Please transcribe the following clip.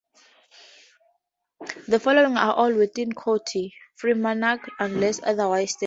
The following are all within County Fermanagh unless otherwise stated.